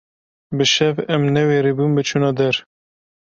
bi şev em newêribûn biçûna der